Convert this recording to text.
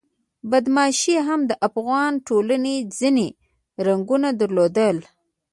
بدماشي هم د افغان ټولنې ځینې رنګونه درلودل.